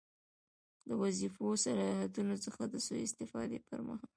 له وظیفوي صلاحیتونو څخه د سوء استفادې پر مهال.